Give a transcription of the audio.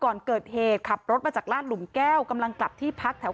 ก่อนเกิดเหตุขับรถมาจากลาดหลุมแก้วกำลังกลับที่พักแถว